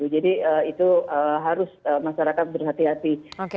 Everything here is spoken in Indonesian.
jadi itu harus masyarakat berhati hati